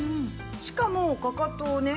しかもかかとをね